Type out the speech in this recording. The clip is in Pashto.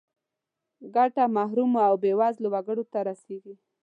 ګټه محرومو او بې وزله وګړو ته رسیږي.